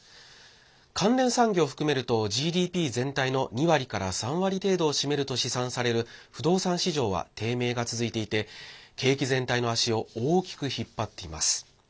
関連産業を含めるとＧＤＰ全体の２割から３割程度を占めると試算される不動産市場は低迷が続いていて景気全体の足を大きく引っ張っています。